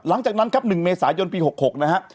หลังจากนั้นครับ๑เมษายนปี๖๖นะฮะ